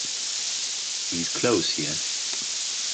He's close here.